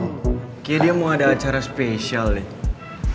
kayaknya dia mau ada acara spesial deh